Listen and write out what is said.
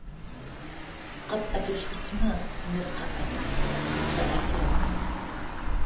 Къэпӏэтышъущтмэ мыр къэӏэт, къысфэӏэтырэп.